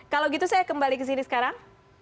kalau gitu saya kembali ke sini sekarang